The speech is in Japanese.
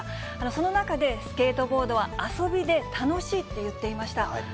その中で、スケートボードは遊びで楽しいって言っていました。